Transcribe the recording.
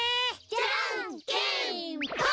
じゃんけんぽん！